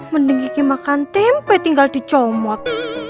mending gigi makan tempe tinggal dicomot